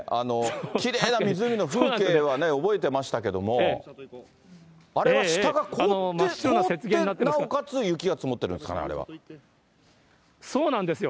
きれいな湖の風景は覚えてましたけども、あれは下が凍って、なおかつ雪が積もってるんですかね、そうなんですよ。